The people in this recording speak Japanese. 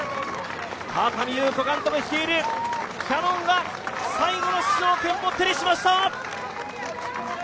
川上優子監督率いるキヤノンが最後の出場権を手にしました。